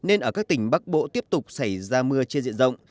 nên ở các tỉnh bắc bộ tiếp tục xảy ra mưa trên diện rộng